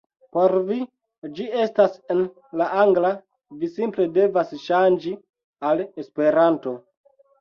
Por vi, ĝi estas en la angla vi simple devas ŝanĝi al Esperanto